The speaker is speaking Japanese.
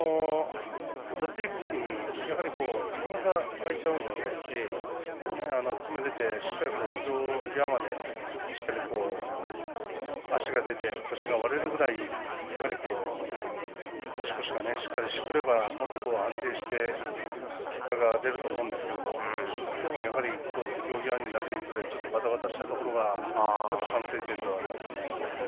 寄っていくときにやっぱり隙間が空いちゃうのでそこをしっかり土俵際まで足が出て、腰が割れるぐらい足腰がしっかりしてくればもっと安定して結果が出ると思うんですけれどもきょうもやっぱり土俵際になるにつればたばたしたところが反省点ではありますね。